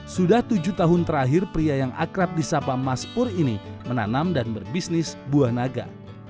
sudah tujuh tahun terakhir pria yang akrab di sapa mas pur ini menanam dan berbisnis buah naga